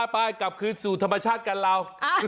ไปกลับคืนสู่ธรรมชาติกันเรา